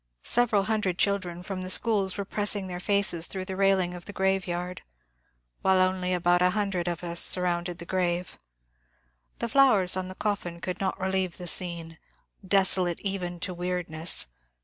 Several hundred children from the schools were pressing their faces through the railing of the graveyard, while only about a hundred of us surrounded the grave. The flowers on the coffin could not relieve the scene, — desolate even to weirdness.